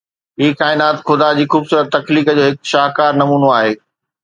هي ڪائنات خدا جي خوبصورت تخليق جو هڪ شاهڪار نمونو آهي